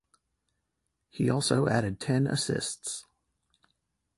He also added ten assists.